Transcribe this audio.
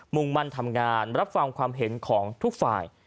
่งมั่นทำงานรับฟังความเห็นของทุกฝ่าย